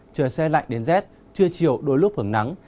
trời xe lạnh đến rét trưa chiều đôi lúc hứng nắng